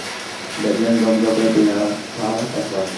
দেখলেন, ঝকঝকে দীনারে তা ঠাসা।